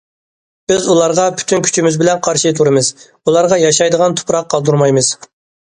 بىز ئۇلارغا پۈتۈن كۈچىمىز بىلەن قارشى تۇرىمىز، ئۇلارغا ياشايدىغان تۇپراق قالدۇرمايمىز.